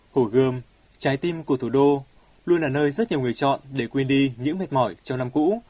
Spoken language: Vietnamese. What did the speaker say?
hồ gươm trái tim của thủ đô luôn là nơi rất nhiều người chọn để quên đi những mệt mỏi trong năm cũ